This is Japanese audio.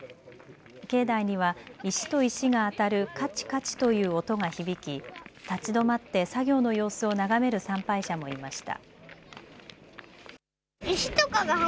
境内には石と石が当たるカチカチという音が響き立ち止まって作業の様子を眺める参拝者もいました。